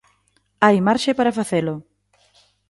Hai marxe para facelo.